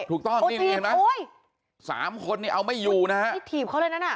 ถูกเจอนี่นี่เห็นป่ะโอ้ยสามคนเนี่ยเอาไม่อยู่นะฮะไม่ถีบเขาเลย